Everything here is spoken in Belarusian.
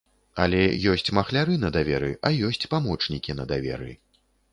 Але ёсць махляры на даверы, а ёсць памочнікі на даверы.